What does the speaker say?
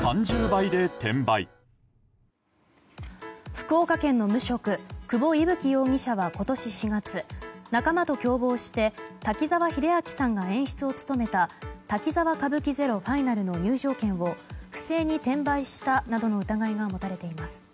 福岡県の無職久保威吹容疑者は、今年４月仲間と共謀して滝沢秀明さんが演出を務めた「滝沢歌舞伎ＺＥＲＯＦＩＮＡＬ」の入場券を不正に転売したなどの疑いが持たれています。